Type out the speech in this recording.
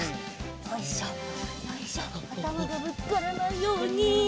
よいしょよいしょあたまがぶつからないように。